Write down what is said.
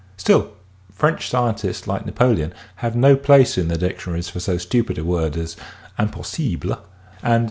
Still French scientists, like Napoleon, have no place in their dictionaries for so stupid a word as " impossible " and M.